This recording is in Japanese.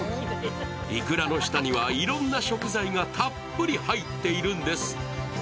いくらの下はいろんな食材がたっぷり入っているんです。